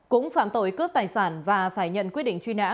cũng phạm tội cướp tài sản và phải nhận quyết định truy nã